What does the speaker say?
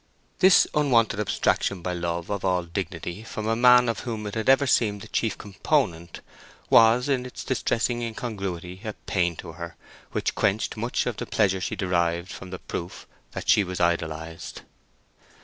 This unwonted abstraction by love of all dignity from a man of whom it had ever seemed the chief component, was, in its distressing incongruity, a pain to her which quenched much of the pleasure she derived from the proof that she was idolized.